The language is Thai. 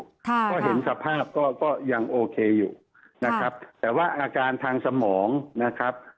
ก็เห็นสภาพก็ก็ยังโอเคอยู่นะครับแต่ว่าอาการทางสมองนะครับ